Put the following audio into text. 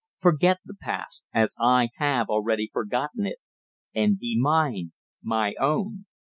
Forget the past, as I have already forgotten it and be mine my own!"